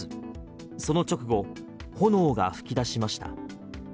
その直後、炎が噴き出しました。